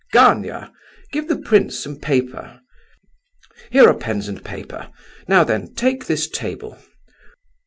Gania, give the prince some paper. Here are pens and paper; now then, take this table.